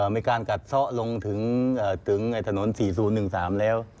มีการกัดซ่อลงถึงถนน๔๐๑๓แล้ว